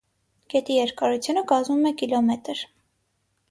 Գետի երկարությունը կազմում է կմ։